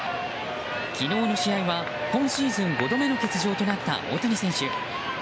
昨日の試合は今シーズン５度目の欠場となった大谷選手。